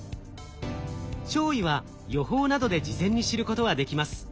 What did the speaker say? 潮位は予報などで事前に知ることはできます。